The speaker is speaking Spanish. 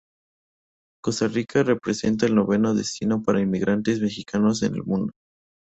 Costa Rica representa el noveno destino para inmigrantes mexicanos en el mundo.